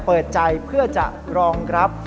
เปิดใจเพื่อจะรองรับ